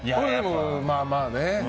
まあ、まあね。